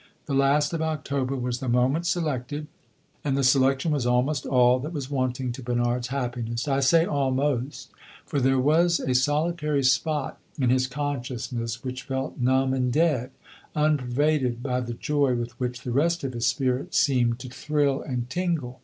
The last of October was the moment selected, and the selection was almost all that was wanting to Bernard's happiness. I say "almost," for there was a solitary spot in his consciousness which felt numb and dead unpervaded by the joy with which the rest of his spirit seemed to thrill and tingle.